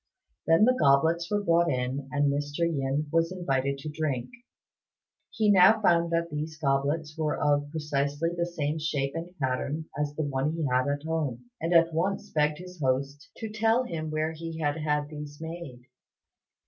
Then the goblets were brought in, and Mr. Yin was invited to drink. He now found that these goblets were of precisely the same shape and pattern as the one he had at home, and at once begged his host to tell him where he had had these made.